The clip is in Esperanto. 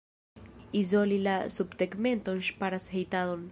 Izoli la subtegmenton ŝparas hejtadon.